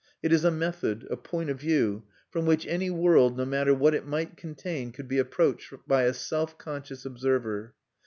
It is a method, a point of view, from which any world, no matter what it might contain, could be approached by a self conscious observer.